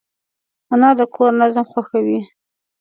انا د کور نظم خوښوي